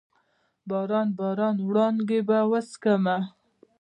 باران، باران وړانګې به وچیښمه